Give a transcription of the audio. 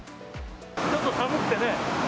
ちょっと寒くてね。